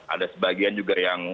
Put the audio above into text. ada sebagian juga yang